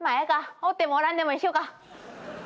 おってもおらんでも一緒か。